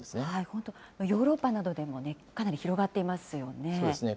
本当、ヨーロッパなどでもかなり広がっていますよね。